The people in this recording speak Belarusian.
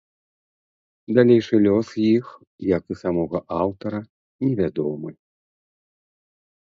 Далейшы лёс іх, як і самога аўтара, невядомы.